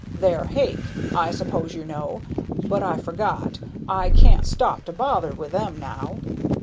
"They're hake, I s'pose you know. But I forgot, I can't stop to bother with them now."